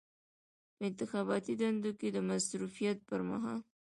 په انتخاباتي دندو کې د مصروفیت پر مهال.